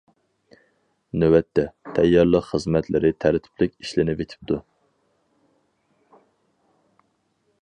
نۆۋەتتە، تەييارلىق خىزمەتلىرى تەرتىپلىك ئىشلىنىۋېتىپتۇ.